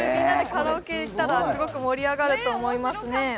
カラオケに行ったらすごく盛り上がると思いますね。